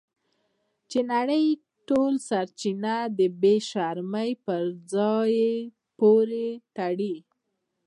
چې نړۍ یې ټول سرچینه د بې شرمۍ په ځای پورې تړي.